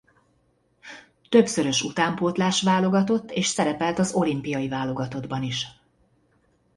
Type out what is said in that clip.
Többszörös utánpótlás válogatott és szerepelt az olimpiai válogatottban is.